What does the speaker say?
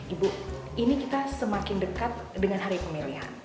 ibu ini kita semakin dekat dengan hari pemilihan